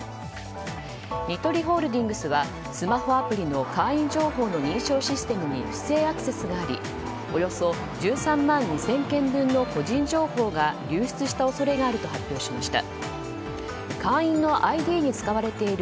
ニトリホールディングスはスマホアプリの会員情報の認証システムに不正アクセスがありおよそ１３万２０００件分の個人情報が流出した恐れがあると発表しました。